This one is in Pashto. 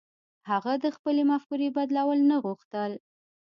هغه د خپلې مفکورې بدلول نه غوښتل.